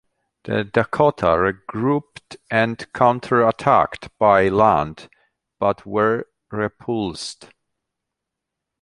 The Dakota regrouped and counterattacked by land, but were repulsed.